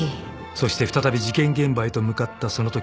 ［そして再び事件現場へと向かったそのとき］